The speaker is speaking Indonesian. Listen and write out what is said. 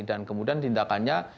dan kemudian tindakannya